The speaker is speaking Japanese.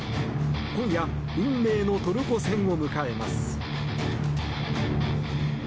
今夜、運命のトルコ戦を迎えます。